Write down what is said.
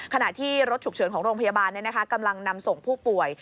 ขณะที่รถฉุกเฉินของโรงพยาบาลกำลังนำส่งผู้ป่วย